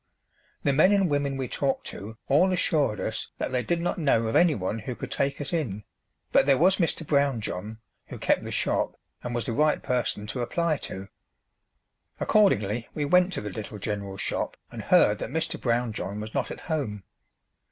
The men and women we talked to all assured us that they did not know of anyone who could take us in, but there was Mr. Brownjohn, who kept the shop, and was the right person to apply to. Accordingly we went to the little general shop and heard that Mr. Brownjohn was not at home.